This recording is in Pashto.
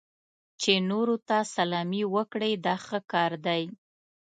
چې نورو ته سلامي وکړئ دا ښه کار دی.